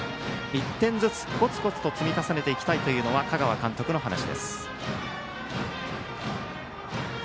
１点ずつコツコツと積み重ねていきたいというのは香川監督の話です。